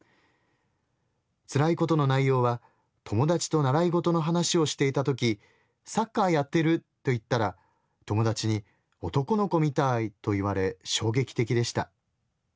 辛いことの内容は友達と習い事の話をしていた時『サッカーやってる！』と言ったら友達に『男の子みたい』と言われ衝撃的でした。